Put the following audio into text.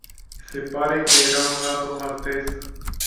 Se pare că era o navă malteză.